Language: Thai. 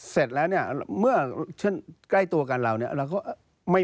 เสร็จแล้วเนี่ยเมื่อใกล้ตัวกันเราเนี่ย